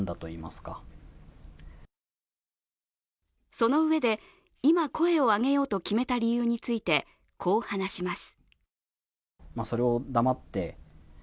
そのうえで、今声を上げようと決めた理由について、こう話します。